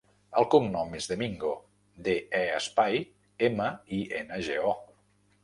El cognom és De Mingo: de, e, espai, ema, i, ena, ge, o.